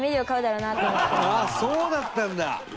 そうだったんだ。